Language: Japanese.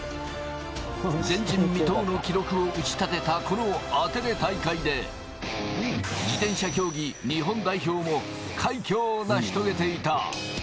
前人未到の記録を打ち立てた、このアテネ大会で、自転車競技日本代表も快挙を成し遂げていた。